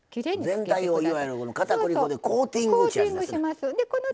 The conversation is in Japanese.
全体をいわゆるかたくり粉でコーティングっちゅうやつですね。